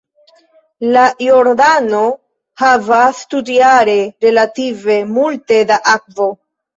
La Jordano havas tutjare relative multe da akvo.